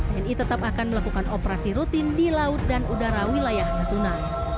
tni tetap akan melakukan operasi rutin di laut dan udara wilayah natuna